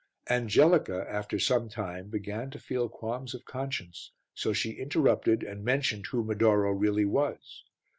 Angelica, after some time, began to feel qualms of conscience, so she interrupted and mentioned who Medoro really was.